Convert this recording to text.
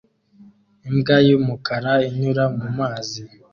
Imbwa y'umukara inyura mu mazi